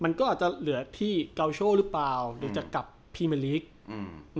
มันก็อาจจะเหลือที่เกาโชหรือเปล่าเดี๋ยวจะกลับพรีเมอร์ลีกอืม